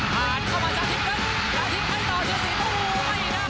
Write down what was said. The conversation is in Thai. ผ่านเข้ามาจากทิพย์กันแล้วทิพย์ให้ต่อตีละสิบก็โห่ได้แล้ว๗๐๐